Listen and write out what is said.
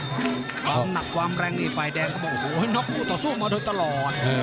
ความหนักความแรงนี่ฝ่ายแดงเขาบอกโอ้โหน็อกคู่ต่อสู้มาโดยตลอด